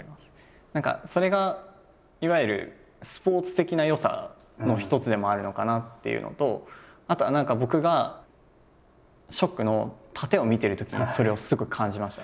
何かそれがいわゆるスポーツ的な良さの一つでもあるのかなっていうのとあとは何か僕が「ＳＨＯＣＫ」の殺陣を見てるときにそれをすごく感じました。